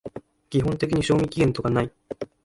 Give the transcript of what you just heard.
基本的に賞味期限とかない